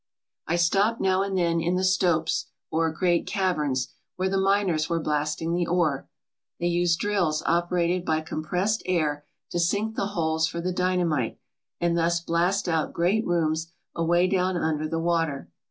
I stopped now and then in the stopes, or great caverns, where the miners were blasting the ore. They use drills operated by compressed air to sink the holes for the dyna mite, and thus blast out great rooms away down under the water.